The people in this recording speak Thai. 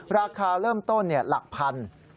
ราคาเริ่มต้นหลักพัน